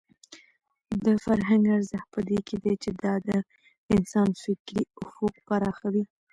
د فرهنګ ارزښت په دې کې دی چې دا د انسان فکري افق پراخوي.